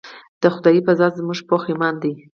د خدائے پۀ ذات زمونږ پوخ ايمان دے